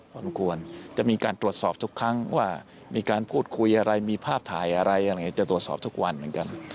มันควรจะมีการตรวจสอบทุกครั้งว่ามีการพูดคุยอะไรมีภาพถ่ายอะไรอะไรจะตรวจสอบทุกวันเหมือนกัน